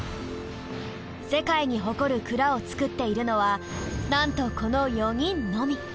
世界に誇る鞍を作っているのはなんとこの４人のみ。